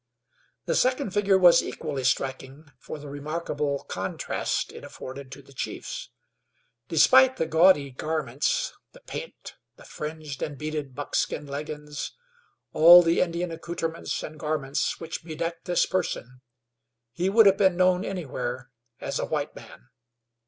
The second figure was equally striking for the remarkable contrast it afforded to the chief's. Despite the gaudy garments, the paint, the fringed and beaded buckskin leggins all the Indian accouterments and garments which bedecked this person, he would have been known anywhere as a white man.